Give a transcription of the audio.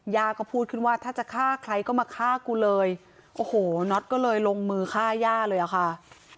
ย่าก็พูดขึ้นว่าถ้าจะฆ่าใครก็มาฆ่ากูเลยโอ้โหน็อตก็เลยลงมือฆ่าย่าเลยอะค่ะ